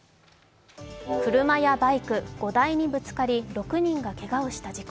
車やバイク５台にぶつかり６人がけがをした事故。